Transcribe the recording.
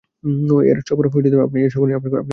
এই সফর নিয়ে আপনি কতটা আশাবাদী?